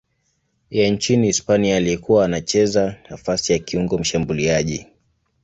ya nchini Hispania aliyekuwa anacheza nafasi ya kiungo mshambuliaji.